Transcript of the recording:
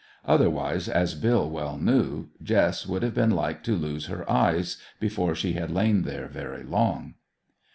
Otherwise, as Bill well knew, Jess would have been like to lose her eyes before she had lain there very long.